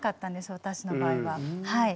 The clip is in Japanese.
私の場合ははい。